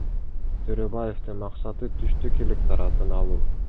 Төрөбаевдин максаты түштүк электоратын алуу.